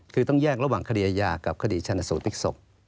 คือต้องแยกระหว่างคดีอาญากับคดีชนสูตรพลิกศพ